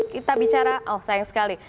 kita bicara oh sayang sekali